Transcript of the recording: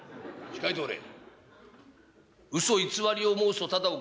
控えておれ。